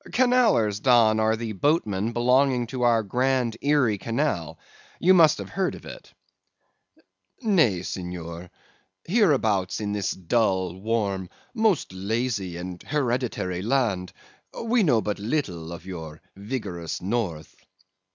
"'Canallers, Don, are the boatmen belonging to our grand Erie Canal. You must have heard of it.' "'Nay, Senor; hereabouts in this dull, warm, most lazy, and hereditary land, we know but little of your vigorous North.